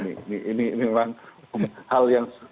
ini memang hal yang